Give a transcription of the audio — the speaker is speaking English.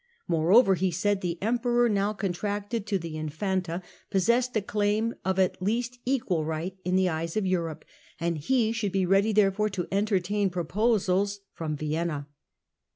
Moreover, he said, the Emperor, now contracted to the Infanta, possessed a claim of at least equal right in the eyes of Europe, and he should be ready therefore to entertain proposals from Vienna.